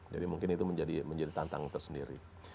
jadi mungkin itu menjadi tantangan tersendiri